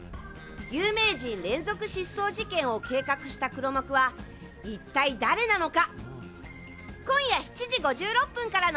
有名人連続失踪事件を計画した黒幕は、一体誰なのか。